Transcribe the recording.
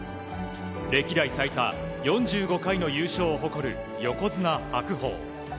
歴代最多４５回の優勝を誇る横綱・白鵬。